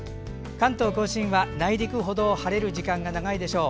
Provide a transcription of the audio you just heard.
関東・甲信は、内陸ほど晴れる時間が長いでしょう。